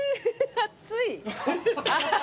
熱い。